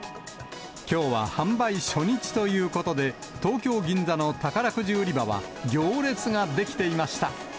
きょうは販売初日ということで、東京・銀座の宝くじ売り場は、行列が出来ていました。